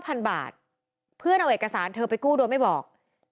พันบาทเพื่อนเอาเอกสารเธอไปกู้โดยไม่บอก